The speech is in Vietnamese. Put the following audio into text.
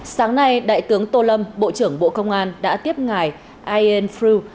sáng nay đại tướng tô lâm bộ trưởng bộ công an đã tiếp ngài ian frew